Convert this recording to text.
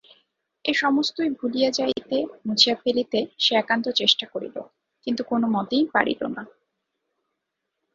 এ-সমস্তই ভুলিয়া যাইতে, মুছিয়া ফেলিতে সে একান্ত চেষ্টা করিল কিন্তু কোনোমতেই পারিল না।